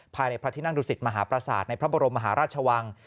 ภายในพระทินัทรุศิษย์มหาประสาทในพระบรมมหาราชชวัง